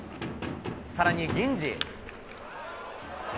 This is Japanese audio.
さらに銀次。